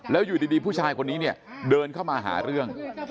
แล้วอยู่ดีผู้ชายคนนี้เนี่ยเดินเข้ามาหาเรื่อง